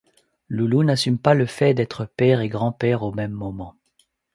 Loulou n'assume pas le fait d'être père et grand-père au même moment.